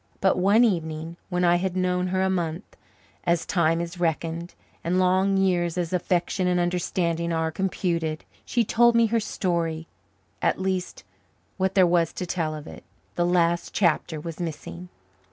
But one evening, when I had known her a month, as time is reckoned, and long years as affection and understanding are computed, she told me her story at least, what there was to tell of it. The last chapter was missing.